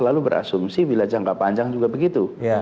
dan itu berasumsi jangka panjang juga begitu